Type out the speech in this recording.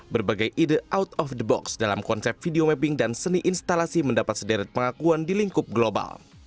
berbagai ide out of the box dalam konsep video mapping dan seni instalasi mendapat sederet pengakuan di lingkup global